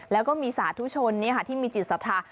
แล้วก็มีสาธุชนที่มีจิตศรัทธา